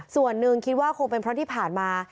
ส่วนหนึ่งคิดว่าคงเป็นเพราะที่ผ่านมา